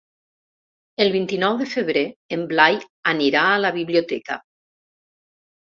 El vint-i-nou de febrer en Blai anirà a la biblioteca.